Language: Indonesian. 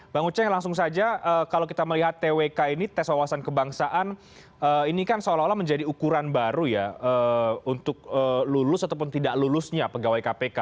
bang uceng langsung saja kalau kita melihat twk ini tes wawasan kebangsaan ini kan seolah olah menjadi ukuran baru ya untuk lulus ataupun tidak lulusnya pegawai kpk